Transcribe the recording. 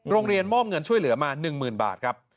โรงเรียนมอบเงินช่วยเหลือมา๑๐๐๐บาทครับ